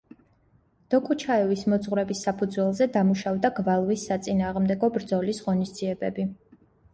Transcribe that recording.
დოკუჩაევის მოძღვრების საფუძველზე დამუშავდა გვალვის საწინააღმდეგო ბრძოლის ღონისძიებები.